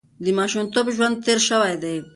د ماشومتوب ژوند تېر شوی دی.